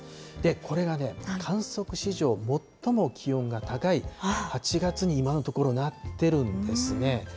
これがね、観測史上最も気温が高い８月に今のところなってるんですね。